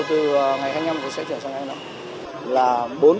từ ngày hai mươi năm sẽ trở sang e năm